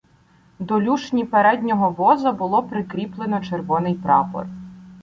До люшні переднього воза було прикріплено червоний прапор.